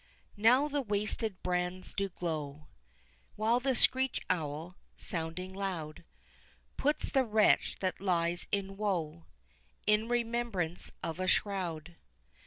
Now the wasted brands do glow, While the screech owl, sounding loud, Puts the wretch that lies in woe, In remembrance of a shroud.